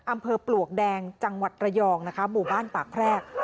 อำเภอปลวกแดงจังหวัดระยองบู่บ้านปากแพรก